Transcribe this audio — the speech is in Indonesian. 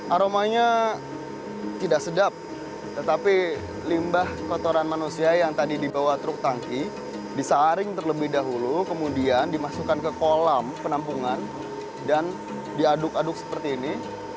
aromanya tidak sedap tetapi limbah kotoran manusia yang tadi dibawa truk tangki disaring terlebih dahulu kemudian dimasukkan ke kolam penampungan dan diaduk aduk seperti ini